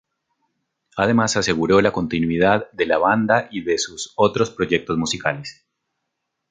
Además aseguró la continuidad de la banda y de sus otros proyectos musicales.